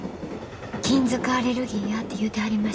金属アレルギーやって言うてはりました。